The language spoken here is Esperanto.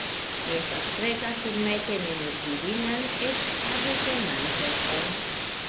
Mi estas preta surmeti ne nur virinan, eĉ arlekenan veston!